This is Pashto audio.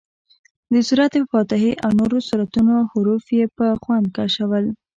د سورت فاتحې او نورو سورتونو حروف یې په خوند کشول.